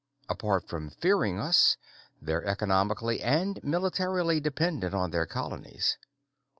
Apart from fearing us, they're economically and militarily dependent on their colonies.